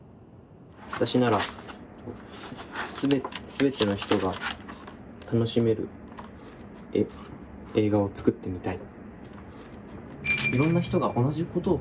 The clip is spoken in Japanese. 私ならすべての人が楽しめる映画を作ってみたい。